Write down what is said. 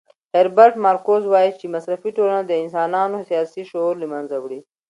هیربرټ مارکوز وایي چې مصرفي ټولنه د انسانانو سیاسي شعور له منځه وړي.